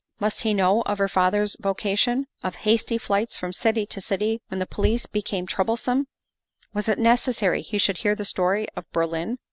Must he know of her father's vocation? Of hasty flights from city to city when the police became trouble some? Was it necessary he should hear the story of Berlin?